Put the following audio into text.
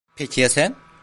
Peki ya sen?